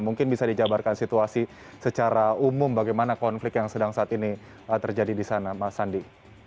mungkin bisa dijabarkan situasi secara umum bagaimana konflik yang sedang saat ini terjadi di sana mas sandi